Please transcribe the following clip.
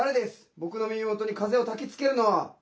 僕の耳元に風をたきつけるのは」。